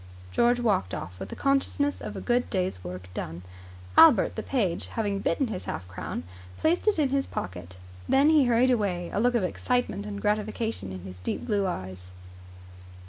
George walked off with the consciousness of a good day's work done. Albert the page, having bitten his half crown, placed it in his pocket. Then he hurried away, a look of excitement and gratification in his deep blue eyes.